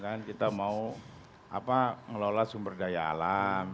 kan kita mau ngelola sumber daya alam